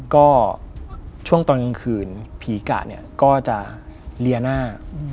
ก็ช่วงตอนกลางคืนผีกะก็จะเรียนหน้า